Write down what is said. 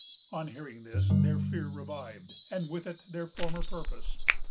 On hearing this, their fear revived, and with it their former purpose.